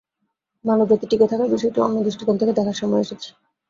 মানব জাতির টিকে থাকার বিষয়টিকে অন্য দৃষ্টিকোণ থেকে দেখার সময় এসেছে।